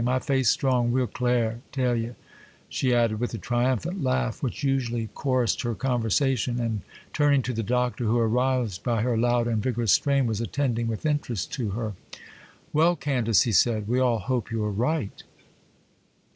My faith's strong,—real clare, 'tell ye,' she added, with the triumphant laugh which usually chorused her conversation, and turning to the Doctor, who, aroused by her loud and vigorous strain, was attending with interest to her. 'Well, Candace,' he said, 'we all hope you are right.